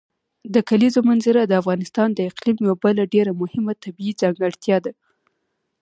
د کلیزو منظره د افغانستان د اقلیم یوه بله ډېره مهمه طبیعي ځانګړتیا ده.